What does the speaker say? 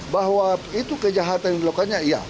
bahwa itu kejahatan yang dilakukannya iya